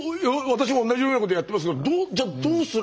私も同じようなことやってますけどどうじゃあどうする。